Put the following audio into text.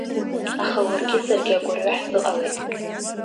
Аха уаргьы саргьы агәырҩа ҳзыҟалеит.